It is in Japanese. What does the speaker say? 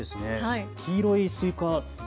黄色いスイカ。